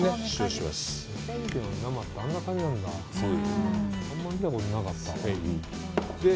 あんまりこういうの見たことなかった。